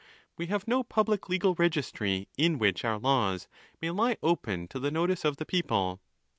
We have no public legal registry, in which our laws may lie open to the notice of the people.